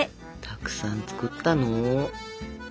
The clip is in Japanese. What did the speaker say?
たくさん作ったの。